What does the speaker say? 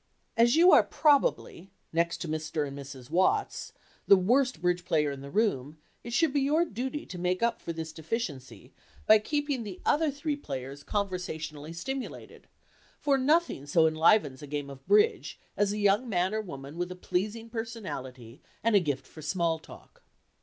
As you are probably (next to Mr. and Mrs. Watts) the worst "bridge" player in the room it should be your duty to make up for this deficiency by keeping the other three players conversationally stimulated, for nothing so enlivens a game of "bridge" as a young man or woman with a pleasing personality and a gift for "small talk."